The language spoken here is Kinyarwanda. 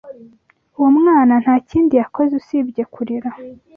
Uwo mwana nta kindi yakoze usibye kurira.